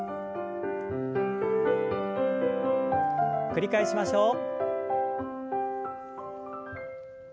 繰り返しましょう。